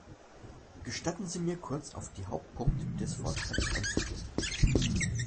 Gestatten Sie mir, kurz auf die Hauptpunkte des Vorschlags einzugehen.